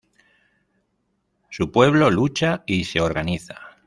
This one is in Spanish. Su pueblo lucha y se organiza.